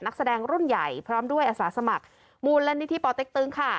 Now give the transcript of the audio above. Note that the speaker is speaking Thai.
นักแสดงรุ่นใหญ่พร้อมด้วยอัศมากหมูอลและหนิพิปรเต็กตรึงค่ะ